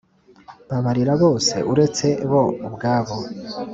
babarira bose uretse bo ubwabo